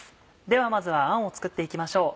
ではまずはあんを作って行きましょう。